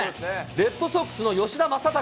レッドソックスの吉田正尚。